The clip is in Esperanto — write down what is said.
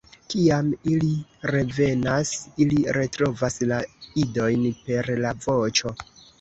Kiam ili revenas, ili retrovas la idojn per la voĉo.